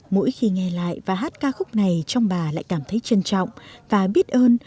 mỗi khi nghe lại và hát ca khúc này trong bà lại cảm thấy trân trọng và biết ơn